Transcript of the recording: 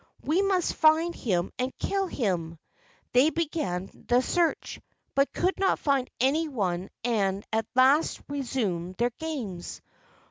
We must find him and kill him." They began the search, but could not find any one and at last resumed their games.